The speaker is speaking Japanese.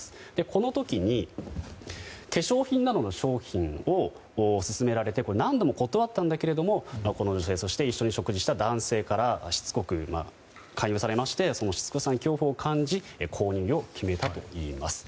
この時に化粧品などの商品を勧められて何度も断ったんだけれどもこの女性、そして一緒に食事した男性からしつこく勧誘されましてそのしつこさに恐怖を感じ購入を決めたといいます。